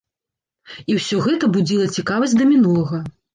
І ўсё гэта будзіла цікаваць да мінулага.